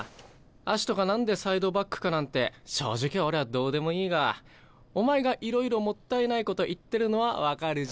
アシトが何でサイドバックかなんて正直俺はどうでもいいがお前がいろいろもったいないこと言ってるのは分かるじゃ。